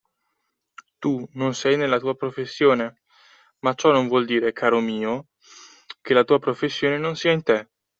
Tu non sei nella tua professione, ma ciò non vuol dire, caro mio, che la tua professione non sia in te!